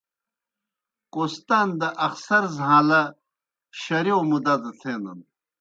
کوہستان دہ اخسر زھاݩلہ شرِیوئے مُدا دہ تھینَن۔